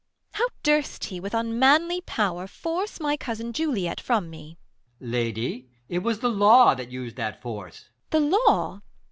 How durst he, with Unmanly power, force my cousin JuHet from me ? EscH. Lady, it was the law that us'd that force. Beat. The law